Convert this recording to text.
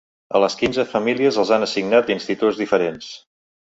A les quinze famílies els han assignat instituts diferents.